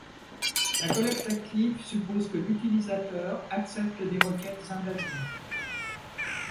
La collecte active suppose que l'utilisateur accepte des requêtes invasives.